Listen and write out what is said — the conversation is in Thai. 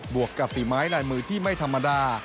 วกกับฝีไม้ลายมือที่ไม่ธรรมดา